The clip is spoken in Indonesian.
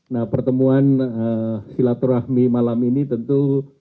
nah pertemuan silaturahmi malam ini tentu